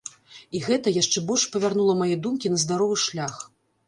І гэта яшчэ больш павярнула мае думкі на здаровы шлях.